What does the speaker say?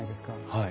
はい。